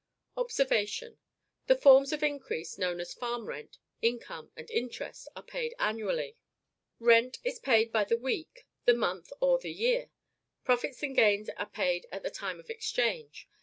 OBSERVATION. The forms of increase known as farm rent, income, and interest are paid annually; rent is paid by the week, the month, or the year; profits and gains are paid at the time of exchange.